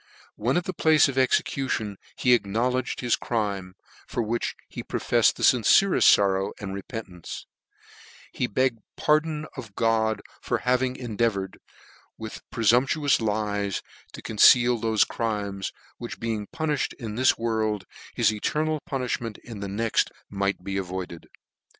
When at the place of execution he acknow ledged his crime, for which he profefled the fin cereft forrow arfd repentance : he begged pardon of God for having endeavoured, with prefu'mp tuous lies to conceal thofe crimes, which being punifhed in this world, his eternal puniihment in the next might be avoided.